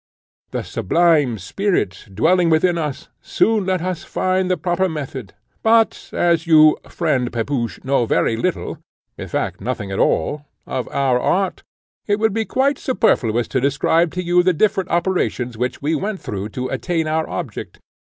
The sublime spirit, dwelling within us, soon let us find the proper method; but as you, friend Pepusch, know very little, in fact nothing at all, of our art, it would be quite superfluous to describe to you the different operations which we went through to attain our object.